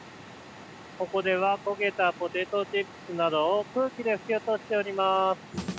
ここでは焦げたポテトチップスなどを空気で吹き落としております。